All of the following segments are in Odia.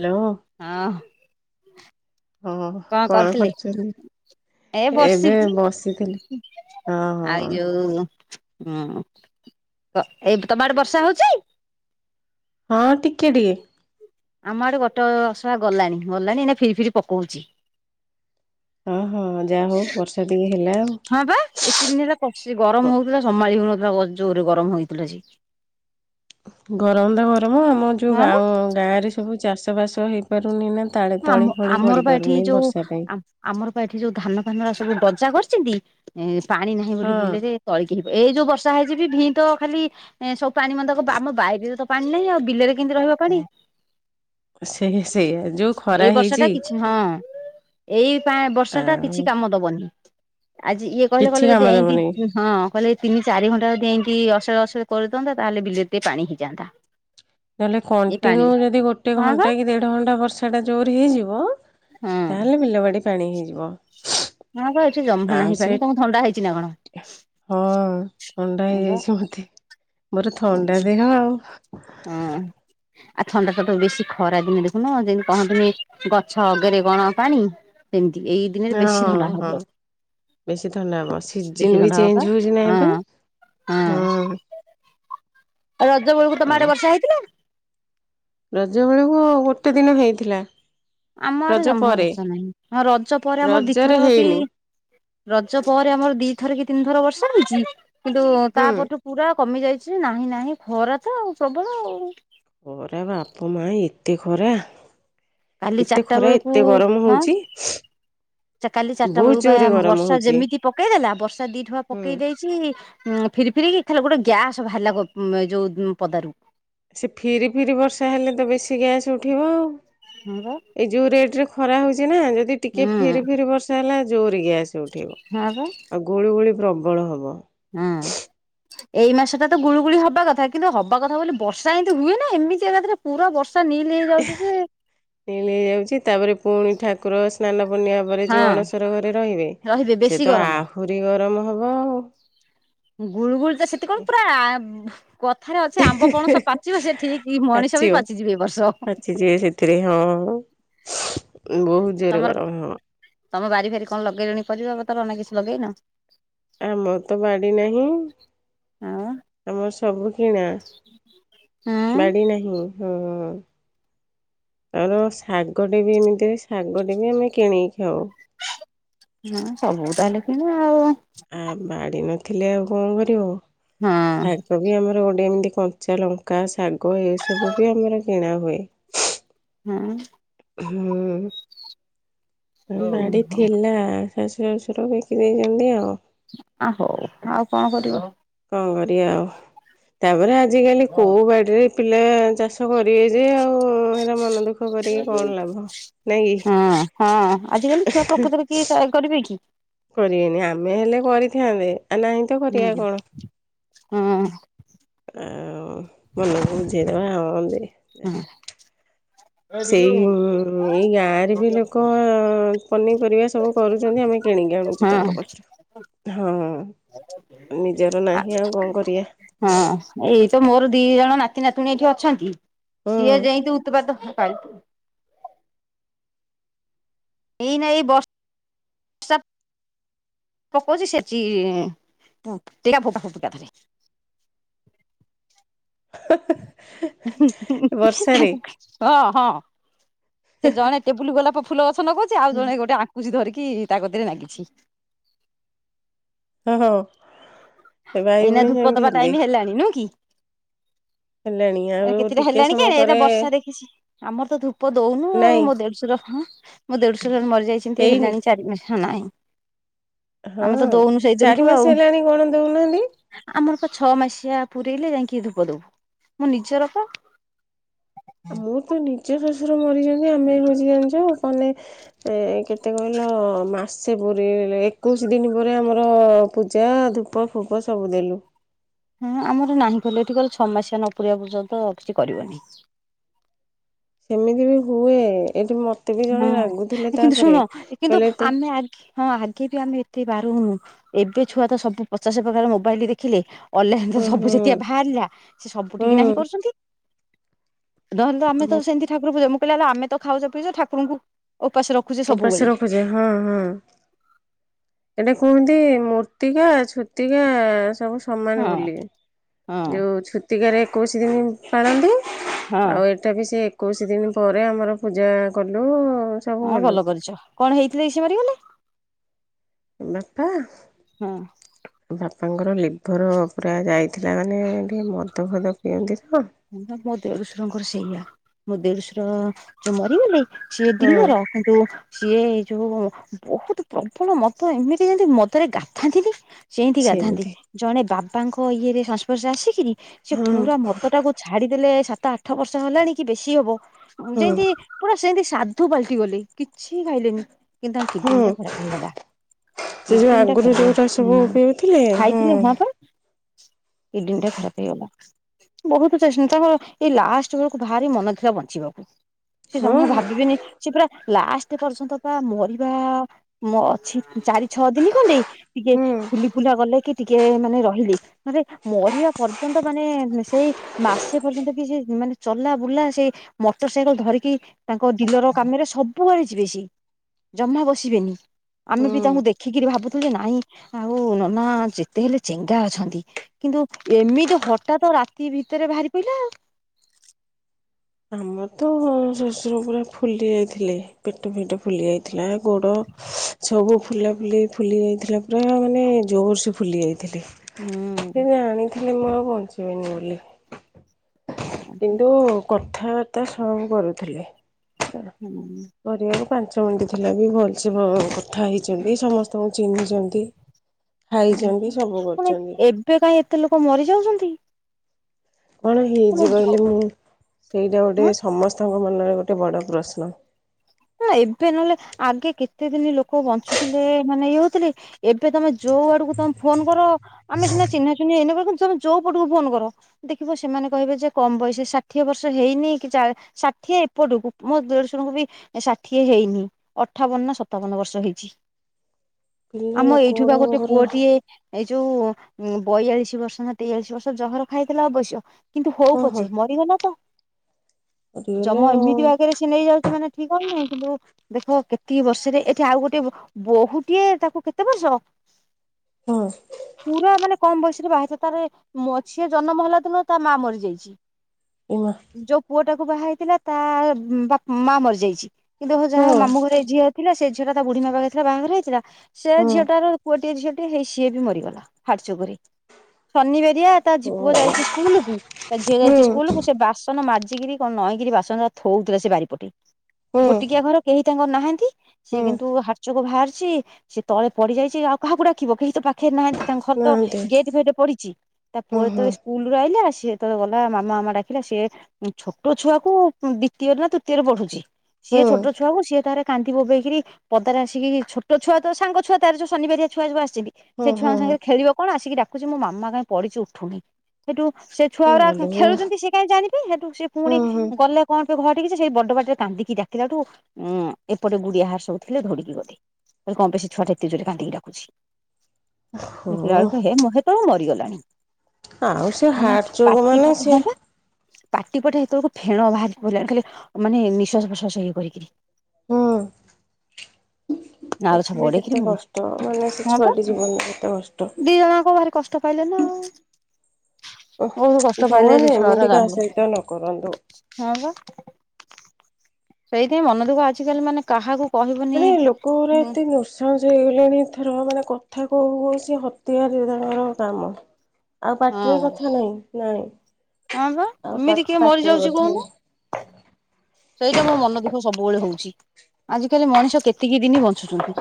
ହ୍ୟାଲୋ ହଁ। ହଁ କଣ ଖର୍ଚ୍ଚ ହେଲେ ଏ ବସିଚି ହଁ ଆଇ ହଁ ଯୋଉ ହଁ ଅ ଏଇ ତମ ଆଡ଼େ ବର୍ଷା ହଉଚି? ହଁ ଟିକେ ଟିକେ। ଆମ ଆଡେ ଗୋଟେ ଅସରା ଗଲାଣି ଗଲାଣି ଏଇନେ ଥିରି ଥିରି ପକଉଚି। ହଁ ହଁ ଯାହା ହଉ ବର୍ଷା ଟିକେ ହେଲା ଆଉ। ହଁ ବା ଏତେ ଦିନ ହେଲା [unintelligible] ବ ଗରମ ହଉଥିଲା ସମ୍ଭାଳି ହଉନଥିଲା ଜୋରେ ଗରମ ହଉଥିଲା ଯେ। ଗରମ ତ ଗରମ ଆମ ଯୋଉଁ ହଁ ବା ଗାଁ ଗାଁରେ ସବୁ ଚାଷ ବାସ ହେଇପାରୁନି ନା ତାଳେ ହ ତଳି ଆମ ଫଳି ପଡି ଆମର ପା ଏଠି ପାରୁନି ଯୋଉ ବର୍ଷା ପାଇଁ ଆମ୍ ଆମର ପା ଏଠି ଯୋଉ ଧାନ ଫାନର ସବୁ ଗଦ୍ ଚା କରିଛନ୍ତି ପାଣି ନାହିଁ ବୋଲି ହଁ ବିଲେ ରେ ତଳିକି କହି ଏଇ ଯୋଉ ବର୍ଷ। ଶା ହେଇକି ଭିଁ ତ ଖାଲି ସବୁ ପାଣି ମନ୍ଦକ ବା ଆମ ବାରିରେ ତ। ପାଣି ନାହିଁ ଆଉ ବିଲରେ କେମିତି ରହିବା ପାଣି। ସେଇା ସେଇଆ ଯୋଉ। ଖରା ଏଇ ବର୍ଷା ହେଇଛି ଟା କିଛି ହଁ ଏଇପ ବର୍ଷା ଟା ଆଉ କିଛି କାମ ଦବନି। ଆଜି ଇଏ କହିଲେ କିଛି କହିଲେ କାମ ଯଦି ଦବନି ଏଇଁତି ହଁ। କଲେ ତିନି ଚିରି ଘଣ୍ଟା ଯଦି ଏଇଁତି ଅସଳେ ଅସଳେ କରିଦିଅନ୍ତା ତାହେଲେ ବିଲେରେ ଟିକେ ପାଣି ହେଇଯାନ୍ତା। ତାହେଲେ ଏଇ ପାଣି କଣ୍ଟିନ୍ୟୁ ଯଦି ଗୋଟେ ହଁ ବା ଘଣ୍ଟା କି ଦେଢ ଘଣ୍ଟା ବର୍ଷା। ସା ସେଟା ଜୋର ହେଇଯିବ ହଁ ତାହେଲେ ବିଲବାଡ଼ି ପାଣି ହେଇଯିବ। ହଁ ପା ଏଠଛି ଜହ୍ମା ଆଉ ନାହିଁ ସେ ପାଣି ତମକୁ ଥଣ୍ଡା ହେଇଛି ନା କଣ? ହଁ ଥଣ୍ଡା ହଁ ବା ହେଇଯାଇଛି ମତେ। ମୋର ଥଣ୍ଡା ଦେହ ଆଉ। ହଁ ଆଉ ଥଣ୍ଡା ଟା ତ ବେଶୀ ଖରା ଦିନେ ଦେଖୁନୁ ଯେମତି କହନ୍ତୁନି ଗଛ ଅଗରେ କଣ ପାଣି ସେ ଏଇ ଦିନରେ ବେଶୀ ହଁ ଥଣ୍ଡା ହଁ ହବ। ବେଶୀ ଥଣ୍ଡା ହବ ବେଶୀ ସିଜିନି ବି ଥଣ୍ଡା ହବ ପା ଚେଞ୍ଜ ହଉଛି ନା ଏବେ? ହଁ ହଁ। ଆଉ ରଜ ବେଳକୁ ତମ ଆଡେ ବର୍ଷା ହେଇଥିଲା? ରଜ ବେଳକୁ ଗୋଟେ ଦିନ ହେଇଥିଲା। ଆମ ଆଡେ ରଜ ଜହ୍ମା ପରେ ବର୍ଷା ନାହିଁ। ଆ ରଜ ପରେ ଆମର ରଜରେ ଦିଥରକି ହେଇନି ରଜ ପରେ ଆମର ଦିଥର କି ତିନିଥର ବର୍ଷା ହେଇଚି କିନ୍ତୁ ହୁଁ ତା ପରଠୁ ପୁରା କମି ଯାଇଛି ନାହିଁ ନାହିଁ ଖରା ତ ଆଉ ପ୍ରବଳ ଆଉ। ଖରା ବାପ ମା ଏତେ ଖରା। କାଲି ଏତେ ଚାରିଟା ଖରା ବେଳକୁ ଏତେ ଗରମ ହଉଚି। ଯେ କାଲି ଚାରିଟା ବେଳକୁ ପାଇଁ ବର୍ଷା ଯେମିତି ପକେଇ ଦେେଲା ବର୍ଷା ଦି ଠୁପା ହୁଁ ପକେଇ ଦେଇଛି ଉଁ ଫିରି ଫିରିିକି। ହେଲେ ଗୋଟେ ଗ୍ୟାସ ବାହାରିଲା ଗ ଉ ଯୋଉ ଉ ପଦାରୁ। ସେ ଫିରି ଫିରି ବର୍ଷା ହେଲେ ତ ବେଶୀ ଗ୍ୟାସ ଉଠିବ ଆଉ ହଁ ବା ଏଇ ଯୋଉ ରେଟ ରେ ଖରା ହେଉଛି ନା ଯଦି ଟିକିଏ ହୁଁ ଫିରି ଫିରି ବର୍ଷା ହେଲା ଜୋରିକି ଆସ। ସେ ଉଠେଇବ ହଁ ବା ଆଉ ଗୁଳୁ ଗୁଳି ପ୍ରବଳ ହବ। ହଁ ଏଇ ମାସ ଟା ତ ଗୁଳୁଗୁଳି ହବା କଥା କିନ୍ତୁ ହବା କଥା ବୋଲି ବର୍ଷା ଏମିତି ହୁଏ ନା ଏମିତି ଏକାଥରେ ପୁରା ବର୍ଷା। ନିଲ୍ ହେଇଯାଉଛି ଯେ। ଏଇନି ଏହୋଉଛି ତାପରେ ପୁଣି ଠାକୁର ସ୍ନାନ ପୂର୍ଣ୍ଣିମା ପରେ ଯୋଉ ହଁ ଅଣସର ଘରେ ରହିବେ। ସେ ବେଶୀ ତ ଗରମ। ଆହୁରି ଗରମ ହବ ଆଉ। ଗୁଳୁ ଗୁଳି ତ ସେତିକଳୁ ପୁରା ଆ ଭ୍ ଠିକ ପାଛିିବ ମଣିଷ ବି ପାଚିଯିବେ ଏ ବର୍ଷ ପାଛି ଯିବେ ସେଥିରେ ହଁ। ହ। ତମର ତମ ବାରି ଫାରି କଣ ଲଗେଇଲେଣି ପରିବା ପତର। କପାଇଁ କିଛି ଲଗେଇନ? ଆମର ତ ବାଡି ନାହିଁ ଆଉ ଆମର ସବୁ। କିଣା ହଁ ବାଡି ନାହିଁ ହୁଁ। ତାପରେ ଶାଗଟେ ବି ଏମିତିରେ ଶାଗଟେ ବି ଆମେ କିଣି। ହଁ ସବୁ ତାହେଲେ କିଣା ଆଉ। ଆ ବାଡି ନଥିଲେ ଆଉ କଣ କରିବ ଶାଗ ବି ଆମର ଗୋଟେ ଏମତି। କଞ୍ଚା ଲଙ୍କା ଶାଗ ଏ ସବୁ ବି ଆମର କିଣା ହୁଏ। ହୁଁ। ହୁଁ ହଁ ବାଡ଼ି ହଉ ଥିଲା। ଶାଶୁ ଶଶୁର ସେଟାକୁ ବିକି ଦେଇଛନ୍ତି ଆଉ। ଆ ହୋଉ ଆଉ କଣ କରିବ। କଣ କରିବା ଆଉ ତାପରେ ଆ। ଆଜିକାଲି କୋଉ ବାଡ଼ିରେ ପିଲା ଚାଷ କରିବେ ଯେ ଆଉ ଏରା ମନ ଦୁଃଖ କରିକି କଣ ଲାଭ। ନାଇଁ କି ହଁ ହଁ ଆଜିକାଲି ଛୁଆ ପ୍ରକୃତରେ କିଏ ଚ କରିବେ କି। କରିବେନି ଆମେ ହେଲେ କରିଥାନ୍ତେ। ଆ ନାହିଁ ତ ହୁଁ କରିବା କଣ। ହଁ ଆଉ ମନକୁ ବୁଝେଇଦବା ଅନ୍ତି। [unintelligible] ସେଇ ଏଇ ଗାଁରେ ବି ଲୋକ ପନିପରିବା ସବୁ କରୁଚନ୍ତି ଆମେ କିଣିକି ହଁ ଆଣୁଚୁ ତାଙ୍କ ପାଖରୁ ହଁ। ନିଜର ନାହିଁ ଆଉ କଣ କରିବା ହଁ ଏଇ ତ ମୋର ଦି ଦି ଜଣ ନାତି ନାତୁଣୀ ଏଇଠି ଅଛନ୍ତି ସିଏ ହୁଁ ଯେମିତି ଉତୁପାତ ପାଇପ୍ ଏଇ ନା ଏଇ ବ ପକଉଚି ସେଚି ପୁ ସେଇଟା [unintelligible] ଥରେ ବର୍ଷାରେ ହଁ ହଁ। ସେ ଜଣେ ଟେବୁଲ ଗୋଳପ ଫୁଲ ଗଛ ନଗୋଉଚି ଆଉ ଜଣେ ଗୋଟେ ଆଙ୍କୁସି ଧରି କି ତା କତିରେ ନାଗିଛି। ଓ ହୋ ଏ ଭାଇ ଏଇନା ଭଉଣୀ ଧୂପ ସେମିତି ହେବେ। ହେଲେଣି ଏଁ ଆଉ କେତେଟା ଟିକେ ହେଲାଣି କେ ସମୟ ଏଟା ପରେ ବର୍ଷା ଦେଖିଚି। ଆମର ତ ଧୂପ ଦୋଉନୁ ଆଉ ନାଇଁ ମୋ ଦେଢଶୁର ହଁ ମୋ ଦେଢଶୁର ମରିଯାଇଚନ୍ତି ହେଇନି ହେଲାଣି ଚାରି ମାସ। ହେଲାଣି। ହଁ ଚାରି ଆଉ ମାସ ହେଲାଣି କଣ ଦୋଉ ନାହାନ୍ତି? ଆମର ପା ଛଅ ମାସିଆ ପୁରଇଲେ ଯାଇଁକି ଧୂପ ଦୋବୁ ମୁଁ ନିଜର ପା ମୁଁ ତ ନି ଜ ଶଶୁର ମରିଚନ୍ତି ଆମେ ହୋଉଚି ଜାଣିଚ ମାନେ କେତେ କହିଲ ମାସେ ପୁରେଇଲେ ଏକୋଇଶି ଦିନ ପରେ ଆମର ପୂଜା ଧୂପ ଫୁପ ସବୁ ଦେଲୁ। ହଁ ଆମର ନାହିଁ କଲେ ଏଠି କହିଲେ ଛଅ ମାସିଆ ନ ପୁରେଇବା ପର୍ଯ୍ୟନ୍ତ କିଛି କରିବନି। ସେମିତି ବି ହୁଏ ଏଠି ମୋ ହଁ କିନ୍ତୁ ଶୁଣ କିନ୍ତୁ କହିଲେ ତୁ ଆମେ ଆଗେ ହଁ ଆଗେ ବି ଆମେ ଏତେ ବାରୁନୁ ଏବେ ଛୁଆ ତ ସବୁ ପଚାଶ ପ୍ରକାର ମୋବାଇଲ ଦେଖିଲେ। ଅନଲାଇନରେ ହୁଁ ସବୁ ହୁଁ ଯାତିଆ ବାହାରିଲା ସେ ସବୁ ହୁଁ ଠିକି ନାହିଁ କରୁଚନ୍ତି। ନହେନେ ଆମେ ତ ମୋ ସେମିତି ଠାକୁର ପୂଜା ମୁଁ କହିଲି ଆଲୋ ଆମେ ତ ଖାଉଚେ ପିଉଚେ ଠାରଙ୍କୁ ଓପାସେ ରଖୁଚେ ଉପାସ ସବୁବେଳେ। ଏଟା କୁହନ୍ତି ମୂର୍ତ୍ତିକା ଛୁତିକା ସବୁ ସମାନ ହଁ ବୋଲି ହଁ ଯେଉ ଛୁତିକାରେ ଏକୋଇଶ ଦିନି ପାଳନ୍ତି। ହଁ ଆଉ ଏଇଟା ବି ସେ ଏକୋଇଶି ଦିନ ପରେ ଆମର ପୂଜା କଲୁ। ସବୁ ହଁ କଲୁ। ଭଲ କରିଚ କଣ ହେଇଥିଲେ କି ସେ ମରିଗଲେ? ବାପା ହଁ। ବାପାଙ୍କର ଲିଭର ପୁରା ଯାଇଥିଲା ମାନେ ଟିକେ ମଦ ଫଦ ପିଅନ୍ତି। [unintelligible] ମୋ ଦେଢୁଶରଙ୍କର ସେଇଆ ମୋ ଦେଢୁଶର ଯୋଉ ମରିଗଲେ। ସିଏ ହଁ ଡିଲର କିନ୍ତୁ ସିଏ ଏଇ ଯୋଉ ବୋହୁତ ପ୍ରବଳ ମଦ ଏମିତି ଯେମତି ମଦରେ ଗାଧାନ୍ତିନି। ସେମିତି ଗାଧାନ୍ତି ଜଣେ ବାବାଙ୍କ ଇଏରେ ସଂସ୍ପର୍ଶ ଆସିକିରିି ସେ ହଁ ପୁରା ମ ଦଟାକୁ ଛାଡିଦେଲେ ସାତ ଆଠ ବର୍ଷ ହେଲାଣି କି ବେଶୀ ହବ ହଁ ଯେମତି ପୁରା ସେମିତି ସାଧୁ ପାଲ୍ଟି ଗଲେ କିଛି ଖାଇଲେନି କିନ୍ତୁ ତାଙ୍କ ହଁ କିଡନୀ ଟା ଖରାପ ହେଇଗଲା। ସେ ଯୋଉ କିଡିନୀ ଟା ଆଗରୁ ଖରାପ ଯୋଉଟା ସବୁ ହୁଁ ପିଉଥିଲେ ଖାଇଥିଲେ ହଁ ପା କିଡିନୀ ଟା ଖରାପ ହେଇଗଲା। ବୋହୁତ ଚେ [unintelligible] ତାଙ୍କର ଏଇ ଲାଷ୍ଟ ବେଳକୁ ଭାରି ମନ ଥିଲା ବଞ୍ଚିବାକୁ। ସେ ହଁ ଯମା ଭାବିବେନି ସେ ପୁରା ଲାଷ୍ଟ ପର୍ଯ୍ୟନ୍ତ ବା ମରିବା ଅଛି ଚାରି ଛଅ ଦିନ ଖଣ୍ଡେ ଟିକେ ହଁ ଫୁଲି ଫୁଲା ଗଲେ କି ଟିକେ ମାନେ ରହିଲି ମାନେ ମରିବା ପର୍ଯ୍ୟନ୍ତ ମାନେ ସେଇ ମାସେ ପର୍ଯ୍ୟନ୍ତ କି ସେ ମାନେ ଚଲା ବୁଲା ସେଇ ମୋଟର ସାଇକେଲ ଧରିକି ତାଙ୍କ ଡିଲର କାମ ସବୁଆଡ ଯିବେ ସେ ଜମା ବସିବେନି। ଆମେ ବି ତାଙ୍କୁ ହୁଁ। ଦେଖିକିରି ଭାବୁଥୁ ଯେ ନାଇଁ ଆଉ ନନା ଯେତେ ହେଲେ ଚେଙ୍ଗା ଅଛନ୍ତି କି କିନ୍ତୁ ଏମିତି ହଠାତ ରାତି ଭିତରେ ବାହାରି ପଡିଲା ଆଉ। ଆମର ତ ଶଶୁର ପୁରା ଫୁଲି ଯାଇଥିଲେ ପେଟ ଫେଟ ଫୁଲି ଯାଇଥିଲା ଗୋଡ ସବୁ ଫୁଲା ଫୁଲି-ଫୁଲି ଯାଇଥିଲା ପୁରା ମାନେ ଜୋର ସେ ଫୁଲି ଯାଇଥିଲା। ସେ ହୁଁ। ଜାଣିଥିଲି ମୁଁ ଆଉ ବଞ୍ଚିବିନି ବୋଲି। କିନ୍ତୁ କଥାବାର୍ତ୍ତା ସବୁ କରୁଥିଲେ ହୁଁ। କରିବାକୁ ପାଞ୍ଚ ମିନଟ ଥିଲା ବି ଭଲ ସେ କଥା ହେଇଛନ୍ତି ସମସ୍ତଙ୍କୁ ଚିହ୍ନିଛନ୍ତି। ଖାଇଛନ୍ତି ସବୁ ଓ କରିଛନ୍ତି ଏବେ କାହିଁ ଏତେ ଲୋକ ମରି ଯାଉଛନ୍ତି। କଣ ପୁଣି ହେଇଛି ଯୋ କହିଲେ ମୁଁ ସେଇଟା ଗୋଟେ ହଁ ସମସ୍ତଙ୍କ ମନରେ ଗୋଟେ ଗୋଟେ ବଡ଼ ପ୍ରଶ୍ନ। ହ ଏବେ ନହେଲେ ଆଗେ କେତେ ଦିନ ଲୋକ ବଞ୍ଚୁଥିଲେ ମାନେ ଇଏ ହଉଥିଲେ ଏବେ ତମେ ଯୋଉ ଆଡକୁ ତମେ ଫୋନ କର ଆମେ ସିନା ଚିହ୍ନା ଚିହ୍ନି ଏନ ତମେ ଯୋଉ ପଟକୁ ଫୋନ କର ଦେଖିବ ସେମାନେ କହିବେ ଯେ କମ ବୟସ ଷାଠିଏ ବର୍ଷ ହେଇନି କି ଷାଠିଏ ଏପଟୁ ମୋ ଦେଡସୁରଙ୍କୁ ଏ ଷାଠିଏ ହେଇନି ଅଠାବନ ନା ସତାବନ ବର୍ଷ ହେଇଛି। ପିଲା ଆମ ଲୋକ ଏଇଠୁ ବା ଗୋଟେ ଗୁଡ଼ାଙ୍କର ପୁଅଟିଏ ଏ ଯୋଉ ବୟାଳିଶ ବର୍ଷ ନା ତେୟାଳିଶି ବର୍ଷ ଜହର ଖାଇଥିଲା ଅବଶ୍ୟ କିନ୍ତୁ ହଉ ହଁ ହଁ ପଛେ ମରିଗଲା ତ। କରିଗଲେ ଜମା ଆଉ। ଏମିତି ଆଗରେ ସେ ନେଇ ଯାଉଛି ମାନେ କନହି କିନ୍ତୁ ଦେଖ କେତକ ବର୍ଷରେ ଏଠି ଆଉ ଗୋଟେ ବୋହୂଟିଏ ତାକୁ କେତେ ବର୍ଷ? ହଁ ପୁରା ମାନେ କମ ବୟସରେ ବାହାରିଛ ତାର ଝିଏ ଜନ୍ମ ହେଲା ଦିନ ତା ମା ମରିଯାଇଛି। ଇମା ଯୋଉ ପୁଅ ଟାକୁ ବାହା ହେଇଥିଲା ତା ବାପ ମା ମରିଯାଇଛି। କିନ୍ତୁ ହ ଯାହା ହଁ ମାମୁଁ ଘରେ ଏ ଝିଅ ଥିଲା ସେ ଝିଅ ଟା ତା ବୁଢ଼ୀ ପାଖ ଥିଲା ବାହାଘର ହେଇଥିଲା। ସେ ହଁ ଝିଅଟାର ପୁଅଟିଏ ଝିଅଟିଏ ହେଇ ସିଏ ବି ମରିଗଲା ହାଟଚୋକରେ। ଶନିିବେରିଆ ତା ପୁଅ ହଁ ଯାଇଛି ସ୍କୁଲ କୁ ତା ଝିଅ ଯାଇଛି ହୁଁ ସ୍କୁଲ କୁ ସେ ବାସନ ମାଜୁ ରି କଣ ନଈକିରି ବାସନା ଥଉଥିଲେ ସେ ବାରିପଟ ହୁଁ ଗୋଟିକିଆ ଘର କେହି ତାଙ୍କର ନାହାନ୍ତି। ସିଏ ହୁଁ କିନ୍ତୁ ହାଟଚୋକ ବାହାରିଛି ସିଏ ତଳେ ପଡିଯାଇଛି ଆଉ କାହାକୁ ଡାକିବ କେହି ତ ପାଖ ପାଖେଇ ନାହାନ୍ତି ତାଙ୍କ ଘର ତ ନାହାନ୍ତି ଗେଟ ଫେଟରେ ପଡିଛି ତା ପୁଅ ହଁ ହଁ ଯେତେବେଳେ ସ୍କୁଲରୁ ଆଇିଲା ସେତବେଳେ ଗଲା ମାମା ମାମା ଡାକିଲା ସେିଏ ଛୋଟ ଛୁଆକୁ ଦ୍ଵିତୀୟରେ ନା ତୃତୀୟରେ ପଢୁଛି। ସିଏ ଛୋଟ ଛୁଆକୁୁ ସିଏ ତାର କାନ୍ଦି ବୋବେଇକି ପଦାରେ ଆସିକି ଛୋଟ ଛୁଆ ତ ସାଙ୍ଗ ଛୁଆ ତାର ଯୋଉ ଶନିବାରିଆ ଛୁଆ ଯୋଉ ଆସ ସେ ହଁ ହଁ ଛୁଆଙ୍କ ସାଙ୍ଗରେ ଖେଳିବ କଣ ଆସିକି ଡାକୁଛି ମାମା କାହିଁ ପଡିଚ ଉୁନି। ସେଇଠୁ ସେ ହଁ ଛୁଆଗୁଡା ମାଲୋ ହୁଁ ଖେଳୁଛନ୍ତି ସେ କାଇଁ ଜାଣିବେ ସେଠୁ ପୁଣି ହୁଁ ଗଲେ କଣ ସେ ଘରିକ କିଛି ସେ ବଡ ପାଟିରେ କାନ୍ଦିକି ଡାକିଲାଠୁ ଉଁ ଏପଟେ ଗୁଡିଆ ଘର ସବୁ ଥିଲେ ଦୋଡିକି ଗଲେ କଣ ବ ଛୁଆଟେ ଏତେଜୋରେ କାନ୍ଦିକି ଡାକୁୁଛି ଦେଖିଲା ହଁ ବଳକୁ ହେ ମୁହେ ତ ମରିଗଲାଣି। ଆଉ ସେ ମାନେ ହାର୍ଟ ଚୋକ୍ ପାଟି ମାନେ ପ୍ରତି ସିଏ ହଁ ବା। ପାଟି ପଟେ ସେତେବେଳକୁ ଫେଣ ବାହାରି ପଡିଲାଣି ଖାଲି ମାନେ ନିଃଶ୍ବାସ ପ୍ରଶ୍ବାସ ଇଏ କରିକି। ହଁ। ନାଳ ଛାପ ଦେଖିଲେ ଗଡେଇକିରି କେତେ ମୁଁ କଷ୍ଟ ମାନେ ସେ ହଁ ପା ଛୁଆଟି ଜୀବନରେ କେତେ କଷ୍ଟ। ହଁ। ଓଃ ବହୁତ କଷ୍ଟ ପାଇଲେ ସେ ଭଗବାନ ଛୁଆଟ ଏମିତି କାହା ଯାହଲେ ସହିତ ନ କରନ୍ତୁ ହଁ ବା। ସେଇଥିପାଇଁ ମନ ଦୁଃଖ ଆଜିକାଲି ମାନେ କାହାକୁ କହିବନି ମାନେ ଲୋକଙ୍କର ହଁ ଏତେ ନୃଃ ହଂସ ହେଇଗଲେଣିଥର ମାନେ କଥା କୋଉ କୋସି ହତିଆର କାମ ଆଉ ପାଟିରେ କଥା ନାହିଁ ନାଇଁ। ହଁ ବା ଆଉ ଏମିତି କିଏ ମରି ପାଟିରେ ଯାଉଛି କଥା କହୁନୁ। ନାହିଁ ସେଇଟା ମୋ ମନ ଦୁଃଖ ସବୁବେଳେ ହଉଛି। ଆଜିକାଲି ମଣିଷ କେତିକି ଦିନ ହ ବଞ୍ଚୁଛନ୍ତି।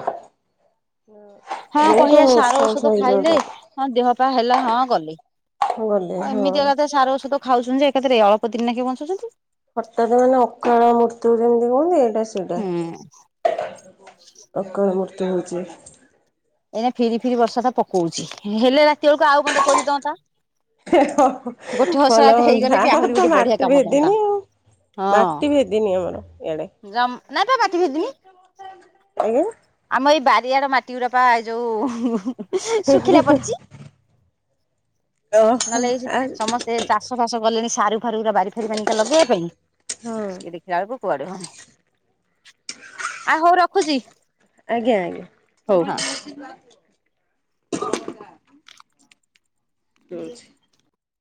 ହଁ ବହୁତ କହିବା ସାର ନିଃଶଂସ ଔଷଧ ଖାଇଲେ ହେଇଯାଉଛନ୍ତି ହଁ ଦେହ ପାହା ହେଲେ ହଁ ଗଲେ। ଗଲେ ହଁ। ଏମିତି ଏକାଥ ସାର ଔଷଧ ଖାଉଛନ୍ତି ଯେ ଏକାଥାରେ ଅଳ୍ପ ଦିନ ନାକି ବଞ୍ଚୁଛନ୍ତି। ହଠାତ ମାନେ ଅକାଳ ମୃତ୍ୟୁ ଯେମିତି କୁହନ୍ତି। ଏଇଟା ସେଇଟା। ହୁଁ। କରତ ହେଉଛି [unintelligible] ଏଇ ଫିରି ଫିରି ବର୍ଷା ତ ପକଉଛି, ହେଲେ ରାତି ବେଳକୁ ଆଉ ମେତେ କୋରିଦିଅନ୍ତା। ଗୋଟେ ଭଲ ଓସୋଲା ହୁଅନ୍ତା ହେଇଗଲେ ବି ଆମର ଆହୁରି ତ ଗୋଟେ ବଢିଆ ମାଟି କାମ ଦଅନ୍ତା। ଭେଦିନି ଆଉ ହଁ ମାଟି ଭେଦିନି ଆମର ଇଆଡେ। ଯମ୍ ନାଇ ପା ତା ପାଟି ଫିଟିନି। ଆଜ୍ଞା ଆମ ଏଇ ବା ବାରିଆଡ ମାଟି ଗୁଡା ପା ଯୋଉ ଶୁଖିଲା ପଡିଛି। ଓହୋ ହଁ ନହେଲେ ଏଇ ଆଜ୍ଞା ସମସ୍ତେ ଚାଷ ଫାଷ କଲେଣି। ସାରୁ ବାରି ଫାରି ପିକା ଲଗେଇବା ପାଇଁ ସେ ଦେଖିଲା ବେଳକୁ। କୁଆଡ ହଉନି, ଆଉ ହଉ ରଖୁଛି। ଆଜ୍ଞା ଆଜ୍ଞା ହଉ। ହଁ। ଦୋଉଛି।